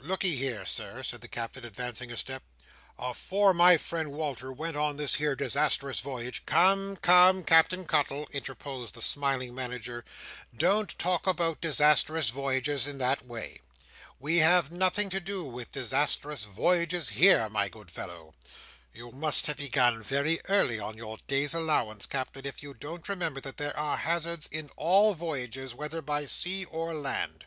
"Lookee here, Sir," said the Captain, advancing a step. "Afore my friend Wal"r went on this here disastrous voyage—" "Come, come, Captain Cuttle," interposed the smiling Manager, "don't talk about disastrous voyages in that way. We have nothing to do with disastrous voyages here, my good fellow. You must have begun very early on your day's allowance, Captain, if you don't remember that there are hazards in all voyages, whether by sea or land.